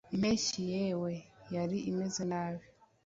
impeshyi yawe yari imeze ite